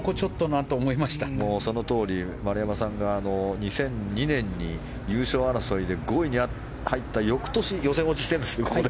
そのとおり、丸山さんが２００２年に優勝争いで５位に入った翌年に予選落ちしているんですここで。